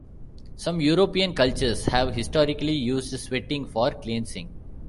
Some European cultures have historically used sweating for cleansing.